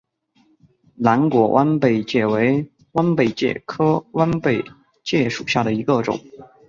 蓝果弯贝介为弯贝介科弯贝介属下的一个种。